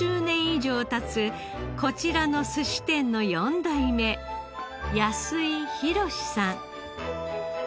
以上経つこちらの寿司店の４代目安井弘さん。